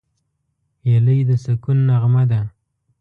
هیلۍ د سکون نغمه ده